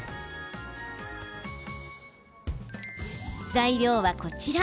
材料は、こちら。